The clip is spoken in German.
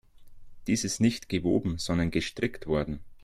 Dies ist nicht gewoben, sondern gestrickt worden.